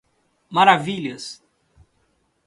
Maravilhas